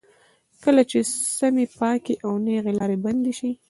کله چې سمې، پاکې او نېغې لارې بندې شي.